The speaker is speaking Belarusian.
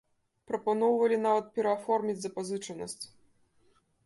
Прапаноўвалі нават перааформіць запазычанасць.